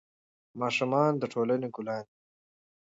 ماشومان د ټولنې ګلان دي.